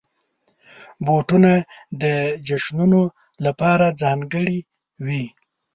بوټونه د جشنونو لپاره ځانګړي وي.